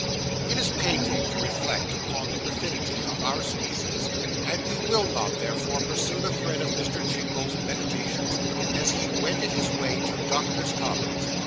It is painful to reflect upon the perfidy of our species; and we will not, therefore, pursue the thread of Mr. Jingle's meditations, as he wended his way to Doctors' Commons.